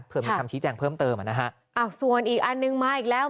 เพื่อมีคำชี้แจงเพิ่มเติมอ่ะนะฮะอ้าวส่วนอีกอันนึงมาอีกแล้ว